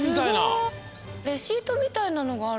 すごい。レシートみたいなのがある。